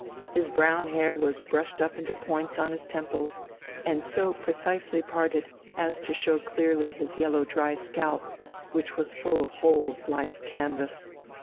His brown hair was brushed up into points on his temples, and so precisely parted as to show clearly his yellow dry scalp, which was full of holes like canvas.